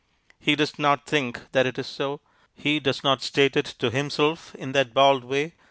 He does not think that it is so. He does not state it to himself in that bald way.